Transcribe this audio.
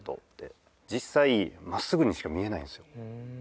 実際真っすぐにしか見えないんですよ。